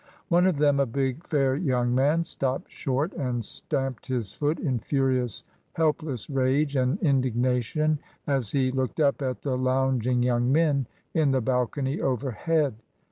One of them, a big, fair young man, stopped short, and stamped his foot in furious helpless rage and indignation as he looked up at the lounging young men in the balcony overhead.